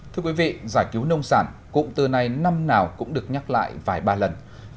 thưa quý vị giải cứu nông sản cũng từ nay năm nào cũng được nhắc lại vài ba lần